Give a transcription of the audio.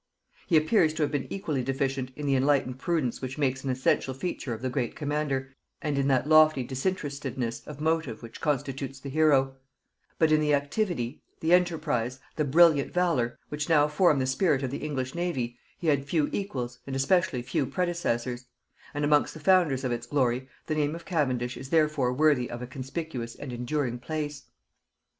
He appears to have been equally deficient in the enlightened prudence which makes an essential feature of the great commander, and in that lofty disinterestedness of motive which constitutes the hero; but in the activity, the enterprise, the brilliant valor, which now form the spirit of the English navy, he had few equals and especially few predecessors; and amongst the founders of its glory the name of Cavendish is therefore worthy of a conspicuous and enduring place.